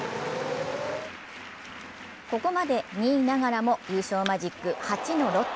ここまで２位ながらも優勝マジック８のロッテ。